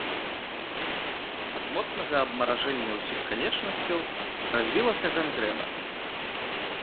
Ад моцнага абмаражэння ўсіх канечнасцяў развілася гангрэна.